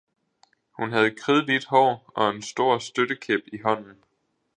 Hun havde kridhvidt hår og en stor støttekæp i hånden.